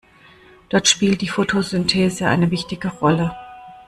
Dort spielt die Fotosynthese eine wichtige Rolle.